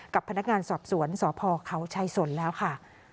กับพนักงานสอบสวนสพเขาชัยสนแล้วค่ะ